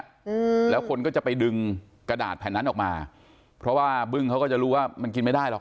อืมแล้วคนก็จะไปดึงกระดาษแผ่นนั้นออกมาเพราะว่าบึ้งเขาก็จะรู้ว่ามันกินไม่ได้หรอก